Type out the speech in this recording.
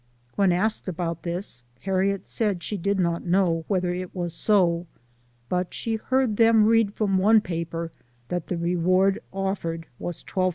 When asked about this, Harriet said she did not know whether it was so, but she heard them read from one paper that the reward offered was $12,000.